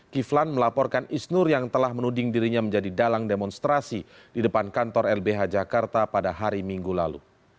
kiflan melaporkan isnur yang telah menuding dirinya menjadi dalang demonstrasi di depan kantor lbh jakarta pada hari minggu lalu